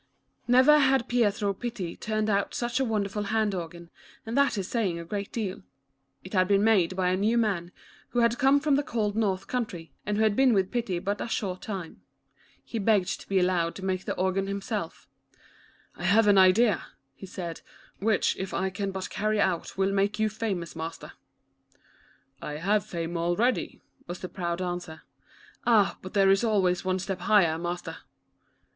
NEVER had Pietro Pitti turned out such a wonderful hand organ, and that is saying a great deal. It had been made by a new man, who had come from the cold North country, and who had been with Pitti but a short time. He begged to be allowed to make the organ himself "I have an idea," he said, "which, if I can but carry out, will make you famous, master." " I have fame already," was the proud answer. "Ah, but there is always one step higher, master."